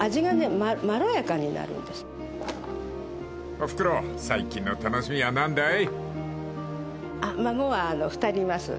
［おふくろ最近の楽しみは何だい？］